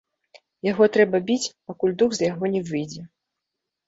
Яго трэба біць, пакуль дух з яго не выйдзе.